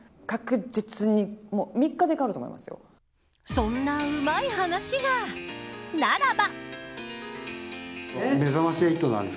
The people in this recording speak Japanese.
そんなうまい話が。ならば。